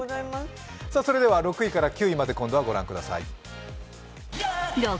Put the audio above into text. それでは、６位から９位まで御覧ください。